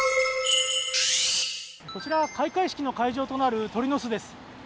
こちら開会式の会場となる鳥の巣です。